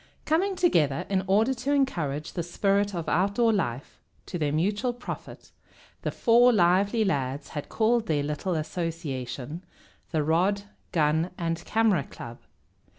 Coming together in order to encourage the spirit of outdoor life, to their mutual profit, the four lively lads had called their little association the Rod, Gun, and Camera Club.